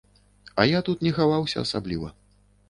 А я тут не хаваўся асабліва.